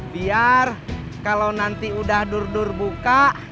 biar kalau nanti udah dur dur buka